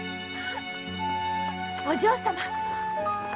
お嬢様！